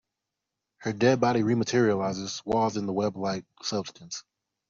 Her dead body rematerializes, swathed in the weblike substance.